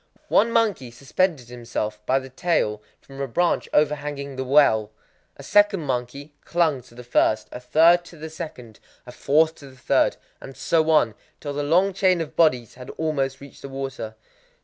One monkey suspended himself by the tail from a branch overhanging the well, a second monkey clung to the first, a third to the second, a fourth to the third, and so on,—till the long chain of bodies had almost reached the water.